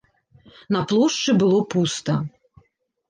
На плошчы было пуста.